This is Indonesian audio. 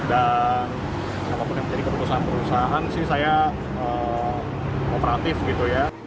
dan apapun yang terjadi keputusan perusahaan saya operatif